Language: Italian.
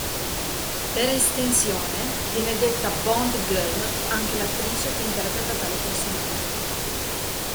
Per estensione, viene detta "Bond girl" anche l'attrice che interpreta tale personaggio.